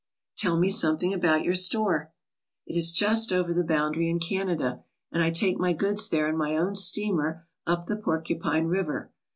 "Tell me something about your store." " It is just over the boundary in Canada, and I take my goods there in my own steamer up the Porcupine River.